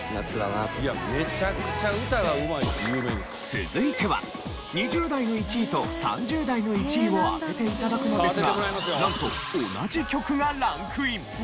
続いては２０代の１位と３０代の１位を当てて頂くのですがなんと同じ曲がランクイン。